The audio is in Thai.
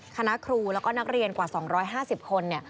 คณะครูแล้วก็นักเรียนกว่า๒๕๐คน